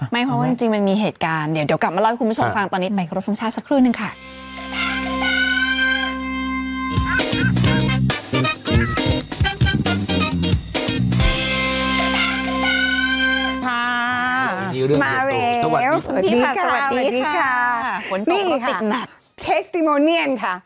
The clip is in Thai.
ไม่เพราะว่าจริงมันมีเหตุการณ์เดี๋ยวกลับมาเล่าให้คุณผู้ชมฟังตอนนี้